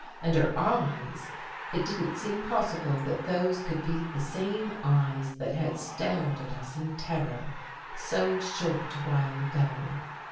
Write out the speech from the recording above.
And her eyes ! It didn't seem possible that those could be the same eyes that had stared at us in terror so short a while ago.